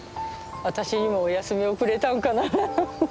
私にもお休みをくれたんかなハハハ。